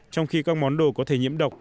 trong khi các món đồ có thể nhiễm độc